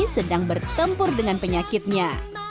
sedang bertempur dengan penyakitnya